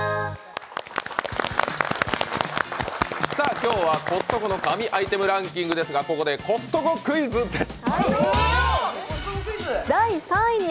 今日はコストコの神アイテムランキングですがここでコストコクイズです。